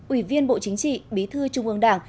ủy viên bộ chính trị bí thư trung ương đảng